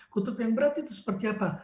kutub yang berat itu seperti apa